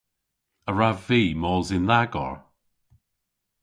A wrav vy mos yn dha garr?